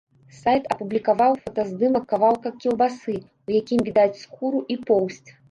Сайт апублікаваў фотаздымак кавалка кілбасы, у якім відаць скуру і поўсць.